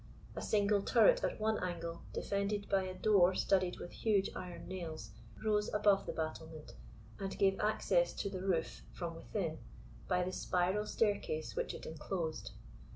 A single turret at one angle, defended by a door studded with huge iron nails, rose above the battlement, and gave access to the roof from within, by the spiral staircase which it enclosed.